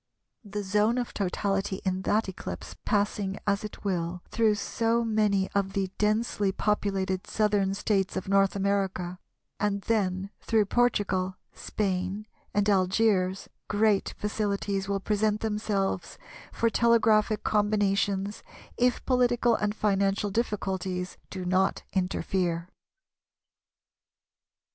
The zone of totality in that eclipse passing as it will through so many of the densely populated Southern States of North America, and then through Portugal, Spain, and Algiers, great facilities will present themselves for telegraphic combinations, if political and financial difficulties do not interfere.